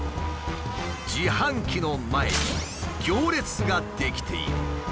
自販機の前に行列が出来ている。